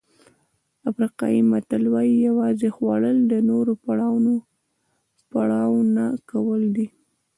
افریقایي متل وایي یوازې خوړل د نورو پروا نه کول دي.